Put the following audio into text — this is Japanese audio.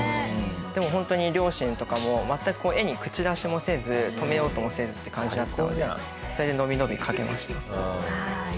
でもホントに両親とかも全く絵に口出しもせず止めようともせずっていう感じだったのでそれでのびのび描けました。